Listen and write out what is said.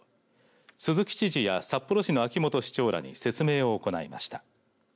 鈴木知事や札幌市の秋元市長らに説明を行いました。